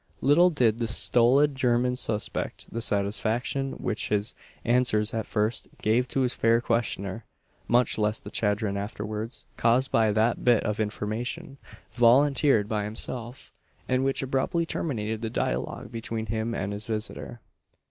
Little did the stolid German suspect the satisfaction which his answers at first gave to his fair questioner; much less the chagrin afterwards caused by that bit of information volunteered by himself, and which abruptly terminated the dialogue between him and his visitor.